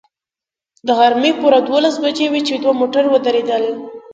د غرمې پوره دولس بجې وې چې دوه موټر ودرېدل.